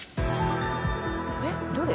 えっどれ？